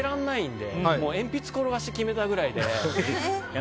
鉛筆を転がして決めたぐらいで。